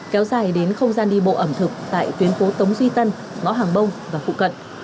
kéo dài đến không gian đi bộ ẩm thực tại tuyến phố tống duy tân ngõ hàng bông và phụ cận